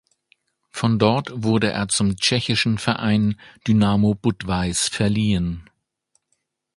Von dort wurde er zum tschechischen Verein Dynamo Budweis verliehen.